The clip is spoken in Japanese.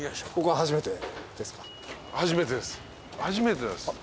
初めてですか。